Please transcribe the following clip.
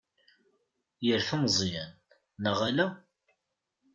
Yerfa Meẓyan, neɣ ala?